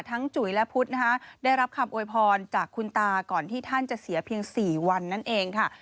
จุ๋ยและพุทธนะคะได้รับคำโวยพรจากคุณตาก่อนที่ท่านจะเสียเพียง๔วันนั่นเองค่ะ